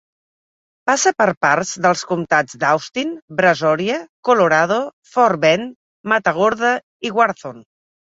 Passa per parts dels comtats d'Austin, Brazoria, Colorado, Fort Bend, Matagorda i Wharton.